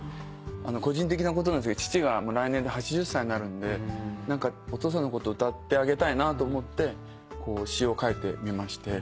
個人的なことなんですが父が来年で８０歳になるんで何かお父さんのこと歌ってあげたいなと思って詞を書いてみまして。